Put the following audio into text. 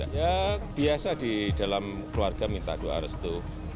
ya biasa di dalam keluarga minta doa harus itu